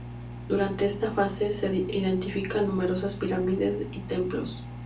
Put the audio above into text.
Durante esta fase, se edifican numerosas pirámides y templos.